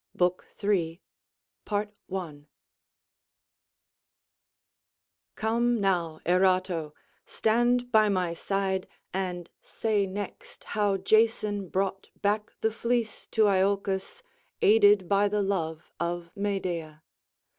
BOOK III Come now, Erato, stand by my side, and say next how Jason brought back the fleece to Iolcus aided by the love of Medea.